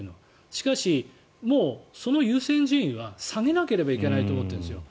しかし、もうその優先順位は下げなければいけないと思ってるんですよ。